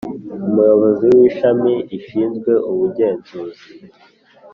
Umuyobozi w ishami rishinzwe ubugenzuzi